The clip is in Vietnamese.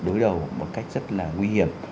đối đầu một cách rất là nguy hiểm